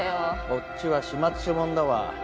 こっちは始末書もんだわ。